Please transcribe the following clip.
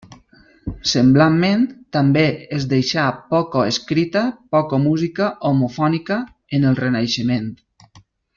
Semblantment també es deixà poca escrita poca música homofònica en el Renaixement.